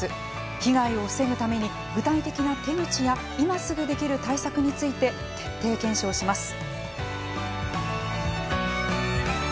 被害を防ぐために具体的な手口や今すぐできる対策について徹底検証します。